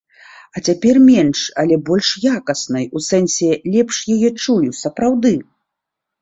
А цяпер менш, але больш якаснай, у сэнсе, лепш яе чую, сапраўды.